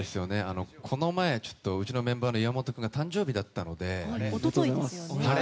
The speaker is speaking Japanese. この前、うちのメンバーの宮舘君が誕生日だったので。